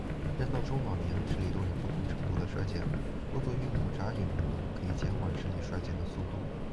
人到中老年，视力多有不同程度地衰减，多做运目眨眼运动可以减缓视力衰减的速度。